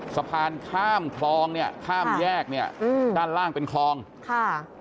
สะพานข้ามคลองเนี่ยข้ามแยกเนี่ยอืมด้านล่างเป็นคลองค่ะ